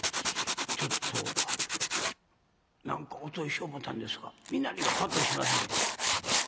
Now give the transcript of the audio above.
ちょっと何かお通ししよう思たんですが身なりがパッとしません」。